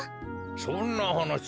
そんなはなし